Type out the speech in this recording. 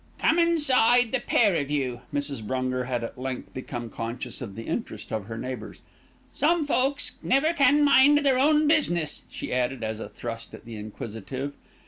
"Come inside, the pair of you." Mrs. Brunger had at length become conscious of the interest of her neighbours. "Some folks never can mind their own business," she added, as a thrust at the inquisitive.